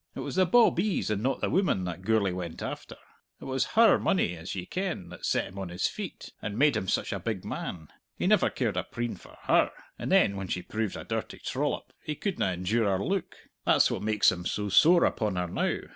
It was the bawbees, and not the woman, that Gourlay went after! It was her money, as ye ken, that set him on his feet, and made him such a big man. He never cared a preen for her, and then when she proved a dirty trollop, he couldna endure her look! That's what makes him so sore upon her now.